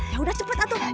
ya udah cepet atuh